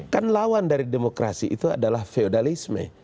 kan lawan dari demokrasi itu adalah feudalisme